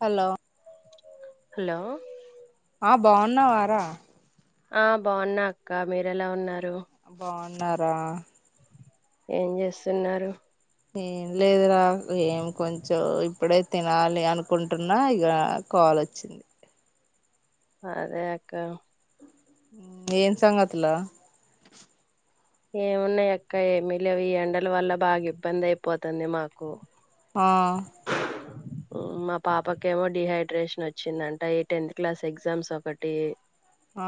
hello hello ఆ బాగున్నావా రా ఆ బాగున్నా అక్క మీరెలా ఉన్నారు బాగున్నారా ఏం చేస్తున్నారు ఏం లేదురా ఏం కొంచెం ఇప్పుడే తినాలి అనుకుంటున్నా ఇగ కా కాలొ చ్చింది అదే అక్క ఏం సంగతులు ఏమున్నాయ అక్క ఏమి లేవు ఈ ఎండల వల్ల బాగా ఇబ్బంది అయిపోతుంది మాకు ఆ మా పాపకేమో డిహైడ్రేషన్ వచ్చిందంట ఈ టెన్త్ క్లాస్ ఎగ్జామ్స్ ఒకటి ఆ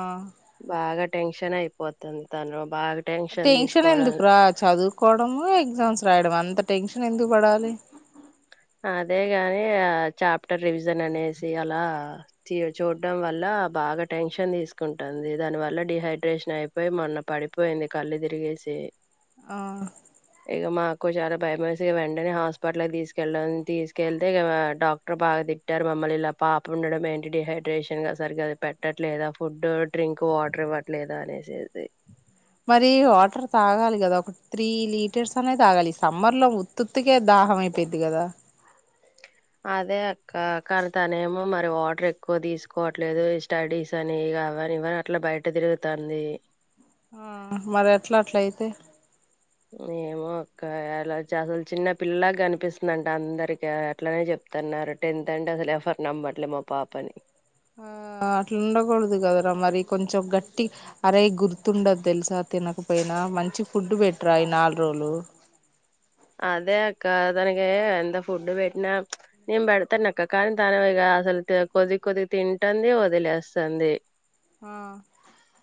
బాగా టెన్షన్ అయిపోతుంది తను బాగా టెన్షన్ ఎందుకురా చదువుకోవడం ఎగ్జామ్స్ రాయడం అం అంత టెన్షన్ ఎందుకు పడాలి అదేగాని ఆ చాప్టర్ రివిజన్ అనేసి అలా చు చూడడం వల్ల హ బాగా టెన్షన్ తీసుకుంటుంది దాని వల్ల డిహైడ్రేషన్ అయిపోయి మొన్న పడిపోయింది కళ్ళు తిరిగి సీ ఆ ఇగ మాకు చాలా భయం వేసి వెంటనే హాస్పిటల్ కి తీసు కెళ్లాం తీసుకెళ్తే ఇగ డాక్టర్ బాగా తిట్టారు మమ్మల్ని ఇలా పాప ఉండడం ఎంటి డిహైడ్రేషన్ గ సరిగాది పెట్టట్లేదా ఫుడ్ డ్రింక్ వాటర్ ఇవ్వట్లేదా అనేసేది మరి వాటర్ తాగాలి కదా ఒకటి త్రీ లీటర్స్ అనే తాగాలి సమ్మర్ లో ఉత్తుత్తికే దా దహం అయిపోయిద్ది కదా అదే అక్క కానీ తనేమో మరి వాటర్ ఎక్కువ తీసుకోవట్లేదు స్టడీస్ అని కావని ఇవని అట్లా బయట తిరుగుతుంది ఆ మరి ఎట్లా అట్లయితే ఏమ ఒకలా అసలు చిన్న పిల్ల కనిపిస్తుందింట అందరికి అట్లనే చెప్తున్నారు టెన్త్ అ ఫర్నాబట్లే మా పాపాని ఆ అట్లా ఉండకూడదు కదరా మరి కొంచెం గట్టి అరయి గుర్తుండదు తెలుసా తినకపోయినా మంచి ఫుడ్ పెట్టరా ఈ నాలుగు రోజులు హా అదే అక్క తనక ఎంత ఫుడ్ పెట్టినా నేను పెడతాను అక్క కానీ తను ఇ అసలు కొద్ది కొద్ది తింటుంది వదిలేస్తుంది ఆ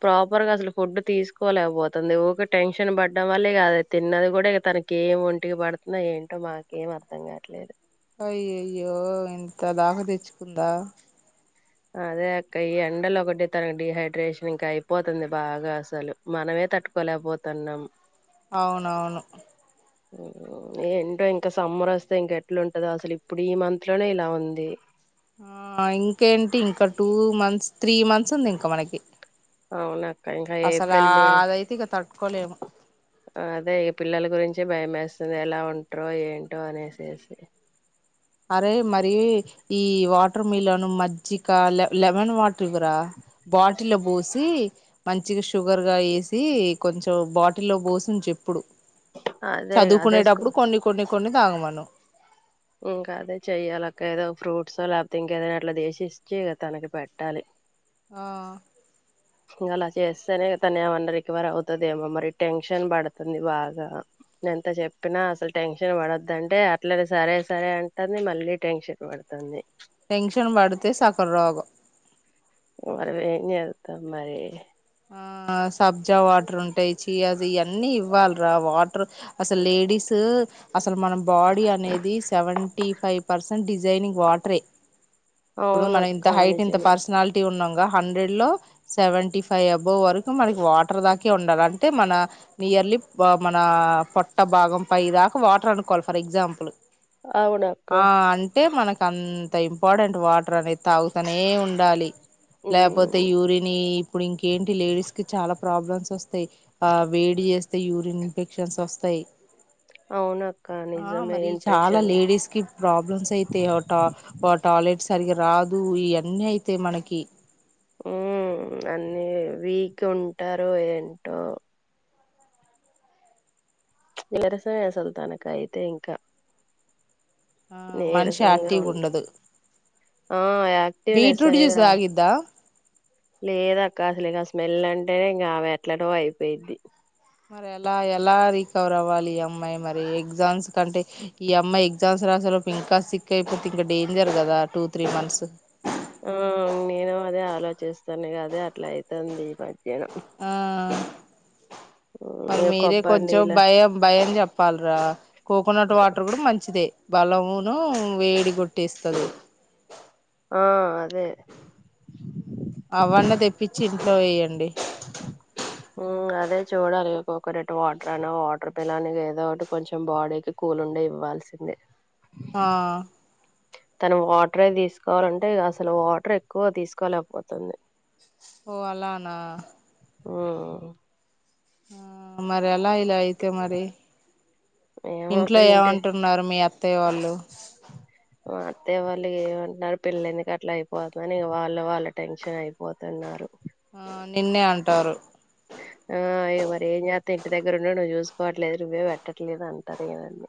ప్రాపర్ గజలు ఫుడ్ తీసుకోలేకపోతుంది ఊ టెన్షన్ పడ్డం వల్ల ఇక అద తిన్నది కూడా ఇక తనక ఏంంట ఇట్టుకి పడుతున్నా ఏంటో మాక ఏం అర్థం కావట్లేదు య్యయ్యో ఇంత దాకా తెచ్చుకుందా అదే అక్క ఈ ఎండలో ఒకటి తనకు డిహైడ్రేషన్ ఇంకా అయిపోతుంది బాగా అసలు మనమే తట్టుకోలేకపోతున్నాం అవునవును ఏ ఏంటో ఇంకా సమ్మర్ వస్తే ఇంక ఎట్లాంటదో అసలు ఇప్పుడు ఈ మంత్ లోనే ఇలా ఉంది ఆ ఇంకేంటి ఇంక టూ మంత్స్ త్రీ మంత్స్ ఉంది ఇంక మనకి అవునా అక్క ఇంకా అసలు ఏప్రిల్ మ అదైతే ఇక తట్టుకోలేము అదేక పిల్లు గురించి భయం వేస్తుంది ఎలా ఉంటారో ఏంటో అనేసేసి అరే మరి ఈ వాటర్ మిలను మజ్జిక లెమన్ వాటర్ గురా బాటిల్లో పోసి మంచిగా షుగర్ గా వేసి కొంచెం బాటి లో పోసి చెప్పుడు అదే అదే చదువుకునేటప్పుడు స్కూల్ కొన్ని కొన్ని కొన్ని తాగమనం ఇంకా అదే చెయ్యాలిక్క ఏదో ఫ్రూట్స్ లేకపోతే ఇంకేదైనా అట్లా దసిచ్చే తనకి పెట్టాలి ఆ ఇం అలా చేస్తేనే తను ఏమన్నా రికవర్ అవుతదిమో మరి టెన్షన్ పడుతుంది బాగా నే ఎంత చెప్పినా అసలు టెన్షన్ పడద్దండి అట్లనే సరే సరే అంటని మళ్ళీ టెన్షన్ పడ తన్ని టెన్షన్ పడితే సకల రోగం మరవేని అత మరి ఆ సబ్జా వాటర్ ఉంటాయి చీయాజ ఇవన్నీ ఇవ్వాలరా వాటర్ అసలు లేడీస్ అసలు మన బాడీ అనేది సెవెంటీ ఫైవ్ పర్సెంట్ డిజైనింగ్ వాటరే ఇప్పుడు మనం అవునక్క ఇంత హైట్ ఇంత నిజమే పర్సనాలిటీ ఉన్నాంగా హండ్రెడ్ లో సెవెంటీ అబ వరకు మనకి వాటర్ దాక ఉండాలి అంటే మన నియర్లీ మన పొట్ట భాగం పై దాకా వాటర్ అనుకోవాలి ఫర్ ఎగ్జాంపుల్ అవునక్క ఆ అంటే మనకు అంత త ఇంపార్టెంట్ వాటర్ అనేది తాగుతనే ఉండాలి లేకపోతే మ్ యూరిన్ ఇప్పుడు ఇంకేంటి లేడీస్ కి చాలా ప్రాబ్లమ్స్ వస్తాయి ఆ వేడి చేస్తే యూరిన్ ఇన్ఫెక్షన్స్ వస్తాయి అవునక్క ఆ నిజమే మరి చాలా ఇన్ఫెక్షన్ లేడీస్ కి ప్రాబ్లమ్స్ అయితే ఒక టాయిలెట్ సరిగ రాదు ఇవన్నీ అయితే మనకి ఉ అన్ని వీక్ ఉంటారు ఏంటో ఈరసమ సుల్తానక అయితే ఇంకా ఆ మనుషి నీరసంగా ఆటి ఉం కుండదు ఆ బీట్రూట్ జ్యూస్ ఆగద్దా లేద అక్క అసలు ఇంకా స్మెల్ అంటేనే ఇంకా అవి ఎట్లడో అయిపోయిద్ది మరి ఎలా ఎలా రికవర్ అవ్వాలి ఈ అమ్మాయి మరి ఎగ్జామ్స్ కంటే ఈ అమ్మాయి ఎగ్జామ్స్ రా అసలు ఇంకా సిక్ అయిపోతే ఇంకా డేంజర్ కదా టూ త్రీ మంత్స్ ఆ నేను అదే ఆలోచిస్తాను కదే అట్లా అయితుంది ఈ మధ్యన ఆ మరి ఇగ మీరే కొబ్బరి కొంచెం నీళ్ళ భయం భయం చెప్పాలరా కోకోనట్ వాటర్ కూడా మంచిదే బలమును వేడి కొట్టేస్తుంది ఆ అదే కిచ్చి ఇంట్లో వేయండి అదే చూడిలు కోకోనట్ వాటర్ అనా వాటర్ పిల్లని ఏదో ఒకటి కొంచెం బాడీకి కూల్ ఉండి ఇవ్వాల్సిందే ఆ మం వాటర్ తీసుకోవాలంటే అసలు వాటర్ ఎక్కువ తీసుకోలేకపోతుంది ఓ అలానా మ్ ఆ మరి అలా ఇలా అయితే మరి ఏమో ఒక ఇంట్లో ఇంటి ఏమంటున్నారు మీ అత్తయ్య వాళ్ళు మా అత్తయ్య వాళ్ళు ఏమంటున్నారు పిల్లందుకి అట్లా అయిపోతుందిని వాళ్ళు వాళ్ళు టెన్షన్ అయిపోతున్నారు ఆ నిన్నే అంటారు ఆ ఇగ మరి ఏం చేత్త ఇంటి దగ్గర ఉన్నాడి నువ్వు చూసుకోవట్లేదు నువ్వే పెట్టట్లేదు అంటారు కదండి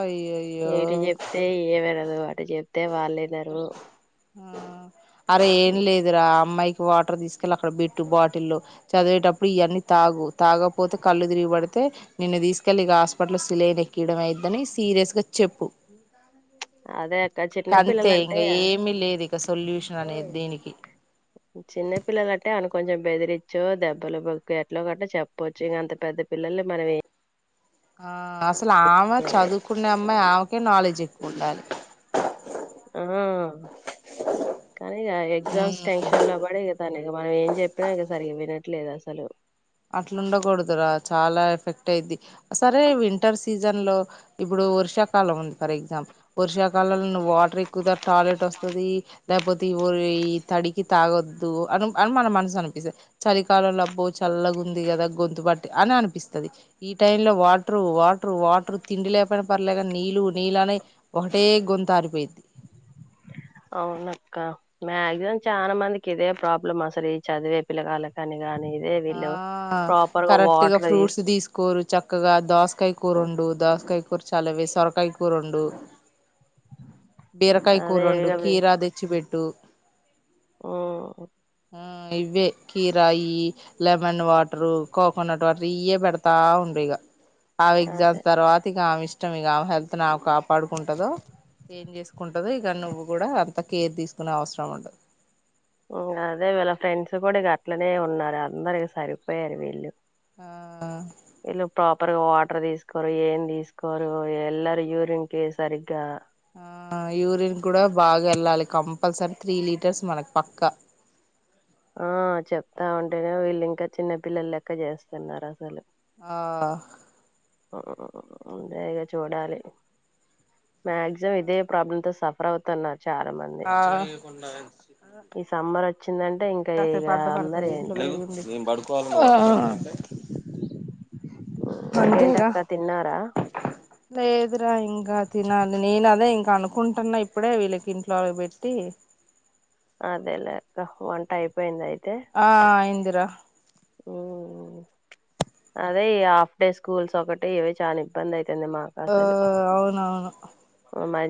అయ్యయ్యో ఏటు చెప్తే ఏమనదు అటు చెప్తే వాళ్ళేద్దరు అరే ఏం లేదు రా ఆ అమ్మాయికి వాటర్ తీసుకెళ్లి అక్కడ పెట్టు బాటిల్లో చదివేటప్పుడు ఇవన్నీ తాగు తాగపోతే కళ్ళు తిరిగిబడితే నిన్న తీసుకెళ్లి ఇక హాస్పిటల్ సిలేన్ ఎక్కియడం అయిని సీరియస్ గా చెప్పు అదే అక్క చిన్న పిల్లలంటే దిక సొల్యూషన్ అనేది దీనికి చిన్న పిల్లల అంటే అన కొంచెం బెదిరిచ్చు దెబ్బలు బొక్కు ఎట్లా కట్టో చెప్పచ్చు ఇంక అంత పెద్ద పిల్లలు మనమే ఆ అసలు ఆమె చదువుకునే అమ్మాయి ఆమెకే నాలెడ్జ్ ఎక్కువ ఉండాలి ఆ కానీ ఇక ఎగ్జామ్స్ ఉమ్ టెన్షన్ లో పడే కదాక మనం ఏం చెప్పినా ఇ సరి వినట్లేదు అ సాలు అట్లుండకూడదురా చాలా ఎఫెక్ట్ అయిద్ది సరే వింటర్ సీజన్ లో ఇప్పుడు వర్షాకాలం ఉంది ఫర్ ఎగ్జాంపుల్ వర్షాకాలంలో వాటర్ ఎక్కువ టాయిలెట్ వస్తుంది లేకపోతే తడికి తాగొద్దు అ అని మన మనసు అనిపిస్తంది చలికాలంలో బ్బ చల్లగుంది కదా గొంతు బట్టి అని అనిపిస్తుంది ఈ టై లో వాటర్ వాటర్ వాటర్ తిండిలే పన పర్లేక నీళ్లు నీళ్ళ అని ఒకటే గొంత ఆరిపోయిద్ది అ అవునక్క మాక్సిమం చాలా మందికి ఇదే ప్రాబ్లమ్ అసలు ఈ చదివే పిలగాల కాని ఆ కరెక్ట్గా వాటర్ ఫ్రూట్స్ తీసుకు తీసుకోరు చక్కగా దోసకాయ కూరండు దోసకాయ కూర చాలావి సొరకాయ కూరండు బీరకాయ అదే కూరండు ఇగ కీరా తెచ్చి పెట్టు ఆఓ ఆ ఇవే కిరాయి లెమన్ వాటరు కోకోనట్ వాటర్ ఇయ పెడతా ఉండు ఈగ ఆ ఎగ్జామ్స్ అదే తర్వాత ఇక ఆమె ఇష్టం ఇక ఆమె హెల్త్ నా కాపాడుకుంటదు ఏం చేసుకుంటదు ఇక నువ్వు కూడా అంత కేర్ తీసుకునే అవసరం ఉండదు అదే వీళ్ళ ఫ్రెండ్స్ కూడా ఇక అట్లనే ఉన్నారు అందరి సరిపోయారు వీళ్ళు ఆ త్వరగా వాటర్ తీసుకోరు ఏం తీసుకోరు ఎల్లరు యూరిన్ కి సరిగ్గా ఆ యూరిన్ కూడా బాగా వెళ్ళాలి కంపల్సరీ త్రీ లీటర్స్ మనకి పక్కా ఆ చెప్తా ఉంటేనే వీళ్ళు ఇంకా చిన్న పిల్లలు లెక్క చేస్తున్నారు అసలు ఆ ఊ అదే ఇగా చూడాలి మాక్సిమం ఇదే ప్రాబ్లమ్ తో సఫర్ అవుతున్నా ఆ ఈ సమ్మర్ వ వచ్చిందంటే ఇంకా ఇగ కాసేపు అడ్డ అందర పడతాయి ఇంట్లో ఏంటో వేడి ఉంది ఆ హు ఇంకేంటి అంతేగా అక్క తిన్నారా లేదురా ఇంకా తినాలి నేను అదే ఇంకా అనుకుంటున్నా ఇప్పుడే వీళ్ళకి ఇంట్లో పెట్టి అదేలే అక్క వంట అయిపోయింద అయి ఆ అయ్యిందిరా హు అదే ఈ హాఫ్ డే స్కూల్స్ ఒకటి ఇవి చాలా ఇబ్బంది అయి అయితుంది మాకు ఆ అసలు అవునవును మ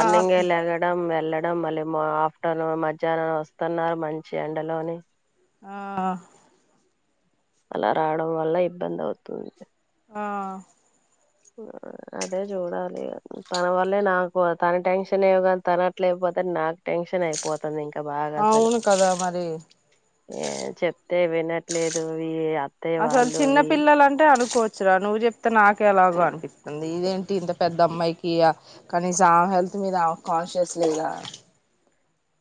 ఆ ఏ లేగడం వెళ్ళడం మళ్ళ ఆఫ్టర్నూన్ మధ్యాహ్నం వస్తున్నా మంచి ఎండలోని ఆ అలా రావడం వల్ల ఇబ్బంది అవుతుంది ఆ అదే చూడాలి ఇగ తన వల్లే నాకు తన టెన్షన్ ఏవు గాని తాను అట్లే ఐ పో నాకు టెన్షన్ అయిపోతుంది ఇంకా బాగా అసలు అవును కదా మరి ఏ చెప్ తే వినట్లేదు ఇ అసలు చిన్న పిల్లలంటే అనుకోవచ్చురా నువ్వు చెప్తే నాకే ఎలాగో అనిపిస్తుంది ఇదేం ఇంత పెద్ద అమ్మాయికి ఆ కనీసం ఆ హెల్త్ మీద కాన్షియస్ లేదా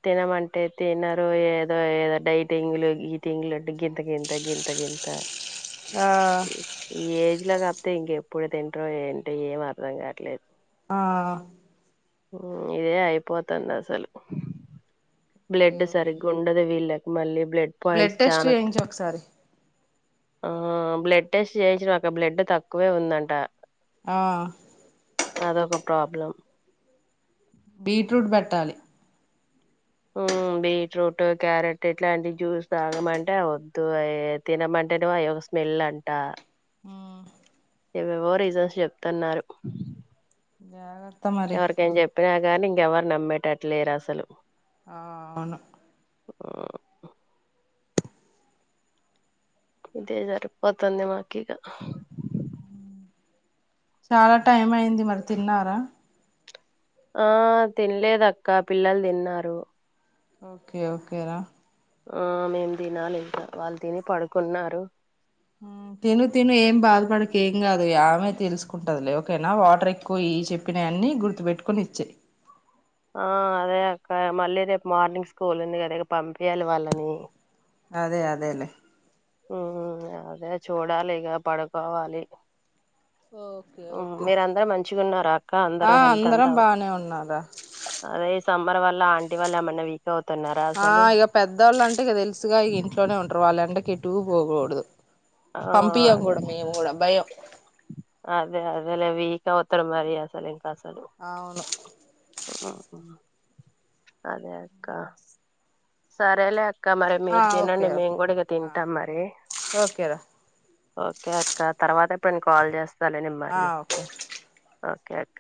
తినమంటే తినరు ఏదో ఏదో డైటింగ్లు ఈటింగ్లు అంటే గింత గింత గిం ఇంత ఆ ఈ ఏజ్ లా అతే ఇంకెప్పుడు తింట్ర ఏంటి ఏం అర్థం కావట్లేదు ఆ హు ఇదే అయిపోతుంది అసలు ఓకే బ్లడ్ ఓకే సరిగ్గా ఉండదు వీళ్ళకు మళ్ళీ బ్లడ్ పాయింట్స్ టెస్ట్ చాన త చేయించు ఒకసారి ఆ బ్లడ్ టెస్ట్ చేయించిన అక్క బ్లడ్ తక్కువే ఉందంట ఆ అదొక ప్రాబ్లం బీట్రూట్ పెట్టాలి హు బీట్రూట్ క్యారెట్ ఇట్లాంటి జ్యూస్ తాగమంటే వద్దు అ తినమం డెడ్ వాయొ స్మెల్ అంట హు ఏవేవో రీజన్స్ చెప్తున్నారు జాగ్రత్త మరి ఎవరికేం చెప్పినా కానీ ఇంకె ఎవరు నమ్మేటట్టు లేరు అసలు ఆ అవును [unintelligible] ఇదే సరిపోతుందే మాకి ఇగా చాలా టైం అయింది మరి తిన్నారా ఆ తినలేదు అక్క పిల్లలు తిన్నారు ఓకే ఓకే రా ఆ మేం తినాలి ఇంకా వాళ్ళు తిని పడుకున్నారు హు తిను తిను ఏం బాధపడక ఏం కాదు ఆమె తెలుసుకుంటదిలే ఓకేనా వాటర్ ఎక్కువ ఇ ఈ చెప్పినాయి అన్నీ గుర్తు పెట్టుకొని ఇచ్చాయి ఆ అదే అక్క మళ్ళీ రేపు మార్నింగ్ స్కూల్ ఉంది కదా ఇగ పంపియ్యాలి వాళ్ళని అదే అదేలే ఉ అదే చూడాలి ఇక పడుకోవాలి ఓకే ఓకే మీరందరూ మంచిగా ఉన్నారా అక్క ఆ అందరు హెల్త్ అంతా అందరం బానే ఉన్నారా అదే ఈ సమ్మర్ వల్ల ఆంటీ వాళ్ళు ఏమన్నా వి ఆ ఇక పెద్దోళ్ళు అంటే ఇక తెలుసుగా ఇక ఇంట్లోనే ఉంటరు వాళ్ళు ఎండకి ఎటు పోకూడదు ఆ పంపియ్యం అదే కూడా మేము కూడా భయం అదే అదేలే వీక్ అవుతారు మారి అసలె అవును ఉమ్ అదే అక్క సరేలే అక్క మరి ఆ మీరు ఓకే తినండి మేము ఓకే కూడా ఇక ఆ తింటాం మరి ఓకేరా ఓకే అక్క తర్వాత ఎప్పుడైన కాల్ చేస్తాలే నేను ఆ మళ్ళీ ఓకే ఓకే అక్క